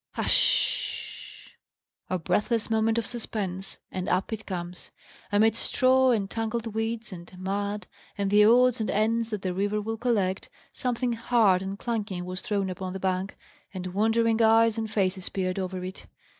Hush sh sh! A breathless moment of suspense, and up it comes. Amidst straw and tangled weeds and mud, and the odds and ends that a river will collect, something hard and clanking was thrown upon the bank, and wondering eyes and faces peered over it.